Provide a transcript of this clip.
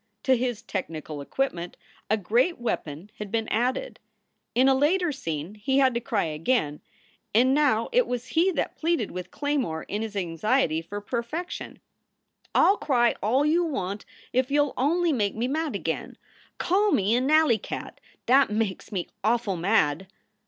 To his techni cal equipment a great weapon had been added. In a later scene he had to cry again, and now it was he that pleaded with Claymore in his anxiety for perfection. 268 SOULS FOR SALE "I ll cry all you want if you ll on y make me mad again. Call me a nalley cat. That makes me awful mad."